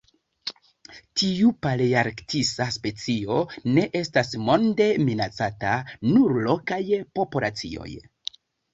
Tiu palearktisa specio ne estas monde minacata, nur lokaj populacioj.